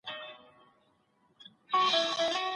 دوی به په جنت کي سره ملګري وي.